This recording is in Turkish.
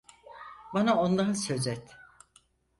Bana ondan söz et.